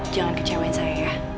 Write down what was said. jangan kecewain saya ya